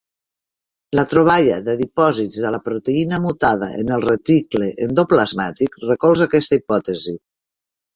La troballa de dipòsits de la proteïna mutada en el reticle endoplasmàtic recolza aquesta hipòtesi.